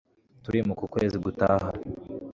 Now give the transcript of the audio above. turimuka ukwezi gutaha